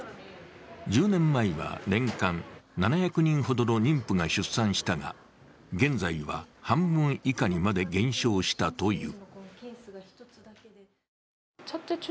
１０年前は年間７００人ほどの妊婦が出産したが、現在は半分以下にまで減少したという。